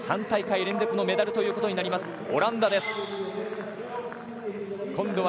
３大会連続のメダルということになります。